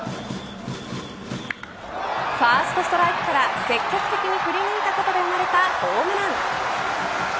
ファーストストライクから積極的に振り抜いたことで生まれたホームラン。